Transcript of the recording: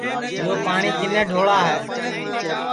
یو پاٹؔی کِنے ڈھوڑا ہے